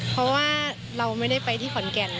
เพราะว่าเราไม่ได้ไปที่ขอนแก่น